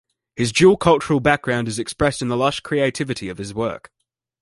His dual cultural background is expressed in the lush creativity of his work.